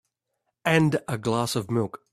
And a glass of milk.